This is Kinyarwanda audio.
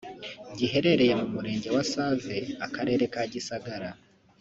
giherereye mu murenge wa Save akarere ka Gisagara